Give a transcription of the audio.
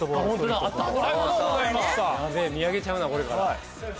やべえ見上げちゃうなこれから。